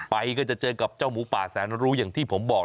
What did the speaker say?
ก็จะเจอกับเจ้าหมูป่าแสนรู้อย่างที่ผมบอก